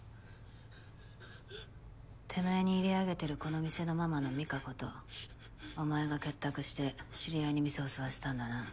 てめぇに入れあげてるこの店のママの美華子とお前が結託して知り合いに店襲わせたんだな。